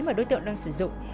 mà đối tượng đang sử dụng